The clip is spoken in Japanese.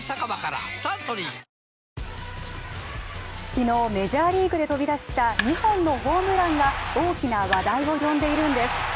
昨日、メジャーリーグで飛び出した２本のホームランが大きな話題を呼んでいるんです。